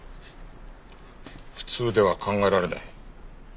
普通では考えられない。